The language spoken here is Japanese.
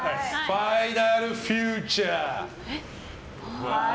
ファイナルフューチャー。